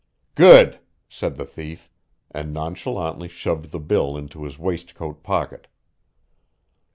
"Good," said the thief, and nonchalantly shoved the bill into his waistcoat pocket.